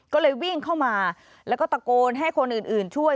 ก็เลยวิ่งเข้ามาแล้วก็ตะโกนให้คนอื่นช่วย